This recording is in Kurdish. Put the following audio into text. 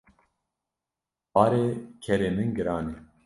Barê kerê min giran e.